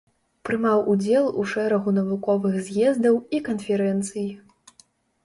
Прымаў удзел у шэрагу навуковых з'ездаў і канферэнцый.